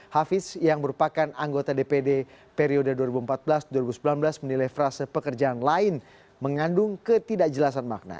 hafiz yang merupakan anggota dpd periode dua ribu empat belas dua ribu sembilan belas menilai frase pekerjaan lain mengandung ketidakjelasan makna